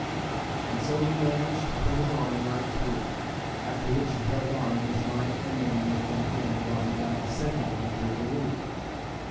And so he managed to put his arm right through, after which he held on with might and main with that hand while he got the second one through the loop.